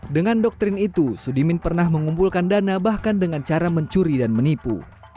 dengan doktrin itu sudimin pernah mengumpulkan dana bahkan dengan cara mencuri dan menipu